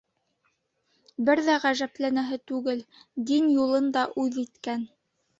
Бер ҙә ғәжәпләнәһе түгел: дин юлын да үҙ иткән.